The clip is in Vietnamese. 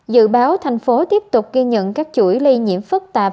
dự báo thành phố tiếp tục ghi nhận các chuỗi lây nhiễm phức tạp